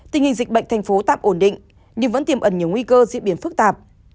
tình hình dịch bệnh thành phố tạm ổn định nhưng vẫn tiềm ẩn nhiều nguy cơ diễn biến phức tạp